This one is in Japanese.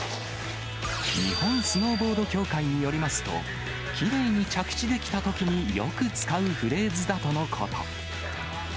日本スノーボード協会によりますと、きれいに着地できたときに、よく使うフレーズだとのこと。